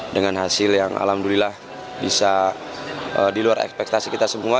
dengan hasil yang alhamdulillah bisa di luar ekspektasi kita semua